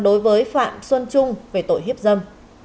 đối với phạm xuân trung về tội hiếp dâm